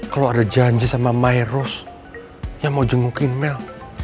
kalo ada janji sama myros yang mau jengukin mel